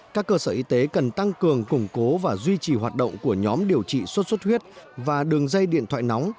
các cơ sở y tế cần tăng cường củng cố và duy trì hoạt động của nhóm điều trị sốt xuất huyết và đường dây điện thoại nóng